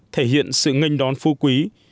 thể hiện sự ngânh đón phu quý